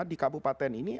di kabupaten ini